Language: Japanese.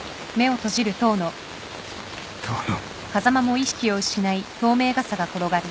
遠野。